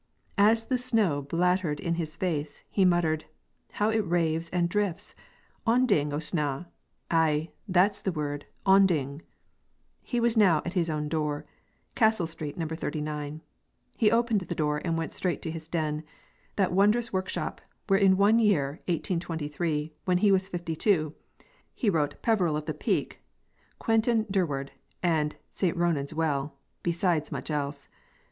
As the snow blattered in his face, he muttered, "How it raves and drifts! On ding o' snaw, ay, that's the word, on ding " He was now at his own door, "Castle Street, No. 39." He opened the door and went straight to his den; that wondrous workshop, where in one year, 1823, when he was fifty two, he wrote 'Peveril of the Peak,' 'Quentin Durward,' and 'St. Ronan's Well,' besides much else.